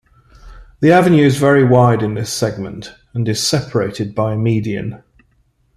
The avenue is very wide in this segment, and is separated by a median.